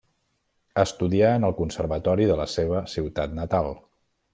Estudià en el conservatori de la seva ciutat natal.